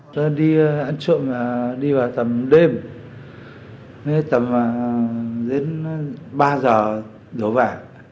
tôi đi ăn trộm đi vào tầm đêm tầm đến ba giờ đổ vả